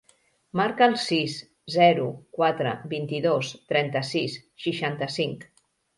Marca el sis, zero, quatre, vint-i-dos, trenta-sis, seixanta-cinc.